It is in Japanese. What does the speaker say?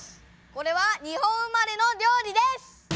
これは日本生まれのりょう理です！